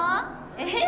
えっ？